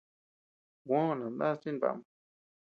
Juó nandaʼas chimbaʼam.